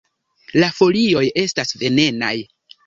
La folioj estas venenaj.